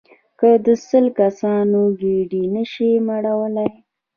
که د سل کسانو ګېډې نه شئ مړولای.